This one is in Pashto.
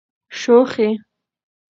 شوخي.